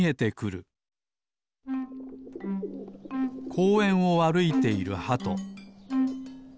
こうえんをあるいているハト。